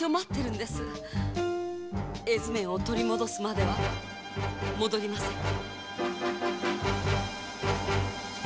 絵図面を取り戻すまでは戻りません。